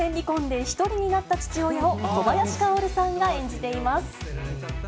そして、熟年離婚で１人になった父親を小林薫さんが演じています。